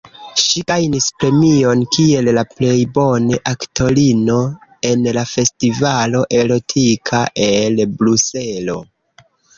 Ŝi gajnis premion kiel la plej bone aktorino en la Festivalo Erotika el Bruselo.